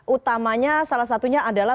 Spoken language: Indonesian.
utamanya salah satunya adalah